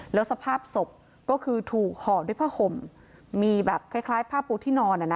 แล้วสภาพศพก็คือถูกห่อด้วยผ้าห่มมีแบบคล้ายผ้าปูที่นอน